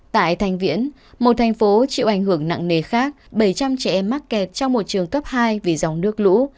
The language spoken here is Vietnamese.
tại thành viễn một thành phố chịu ảnh hưởng nặng nề khác bảy trăm linh trẻ em mắc kẹt trong một trường cấp hai vì dòng nước lũ